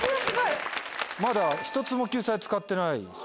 まだ１つも救済使ってないですよね。